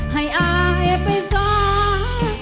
ให้อายไปก่อน